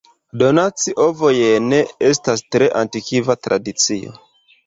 Donaci ovojn estas tre antikva tradicio.